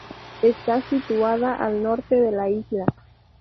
Está situada al norte de la isla.